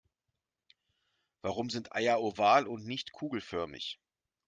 Warum sind Eier oval und nicht kugelförmig?